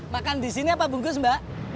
makan di sini apa bungkus mbak